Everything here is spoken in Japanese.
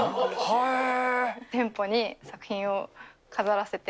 店舗に、作品を飾らせて。